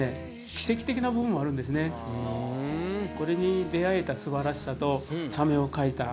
これに出会えた素晴らしさと採点は。